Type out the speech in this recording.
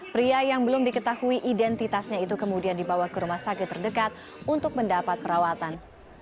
pria yang belum diketahui identitasnya itu kemudian dibawa ke rumah sakit terdekat untuk mendapat perawatan